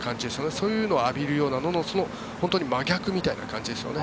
そういうのを浴びるようなそれの逆みたいな感じですね。